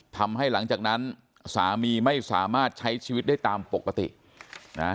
ทำให้หลังจากนั้นสามีไม่สามารถใช้ชีวิตได้ตามปกตินะ